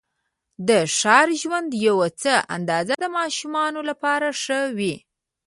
د ښار ژوند یوه څه اندازه د ماشومانو لپاره ښه وې.